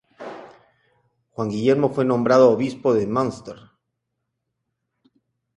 Juan Guillermo fue nombrado obispo de Münster.